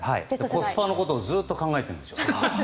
コスパのことをずっと考えてるんですよ。